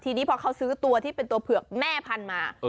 ทีนี้พอเขาซื้อตัวที่เป็นตัวเผือกแม่พันธุ์มา